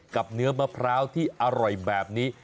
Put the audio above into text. เนื้อมะพร้าวที่อร่อยแบบนี้